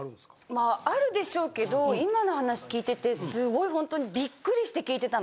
まああるでしょうけど今の話聞いててすごいホントにビックリして聞いてたの。